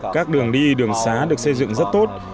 các đường đi đường xá được xây dựng rất tốt